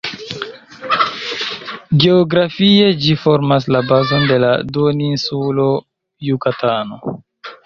Geografie ĝi formas la bazon de la duoninsulo Jukatano.